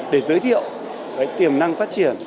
để giới thiệu tiềm năng phát triển